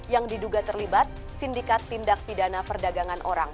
yang diduga terlibat sindikat tindak pidana perdagangan orang